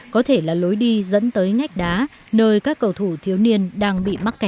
có thể là lối đi dẫn tới ngách đá nơi các cầu thủ thiếu niên đang bị mắc kẹt